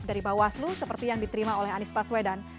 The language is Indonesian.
dari bawah slu seperti yang diterima oleh anies paswedan